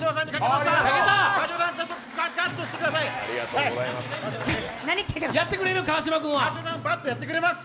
川島さんはバッとやってくれます！